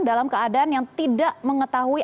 dalam keadaan yang tidak mengetahui